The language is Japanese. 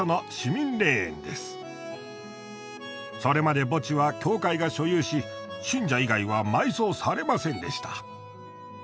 それまで墓地は教会が所有し信者以外は埋葬されませんでした。